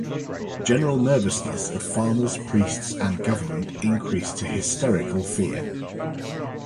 General nervousness of farmers, priests and government increased to hysterical fear.